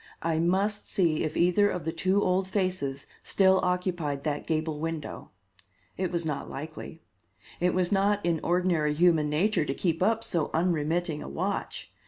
I must see if either of the two old faces still occupied that gable window. It was not likely. It was not in ordinary human nature to keep up so unremitting a watch.